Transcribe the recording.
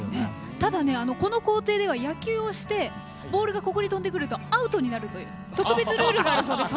ただ、この校庭では野球をしてボールがここに飛んでくるとアウトになるという特別ルールがあるそうです。